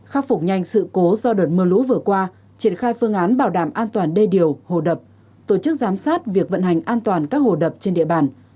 khắc phục nhanh sự cố do đợt mưa lũ vừa qua triển khai phương án bảo đảm an toàn đê điều hồ đập tổ chức giám sát việc vận hành an toàn các hồ đập trên địa bàn